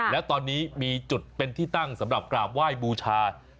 แล้วตอนนี้มีจุดเป็นที่ตั้งสำหรับกราบไหว้บูชา